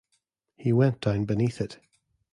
He went down beneath it.